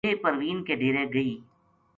ویہ پروین کے ڈیرے گئی